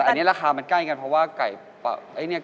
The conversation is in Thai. แต่อันนี้ราคามันใกล้กันเพราะว่าไก่ป๊อปตัวเนี่ย